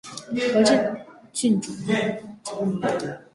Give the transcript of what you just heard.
和政郡主夭折。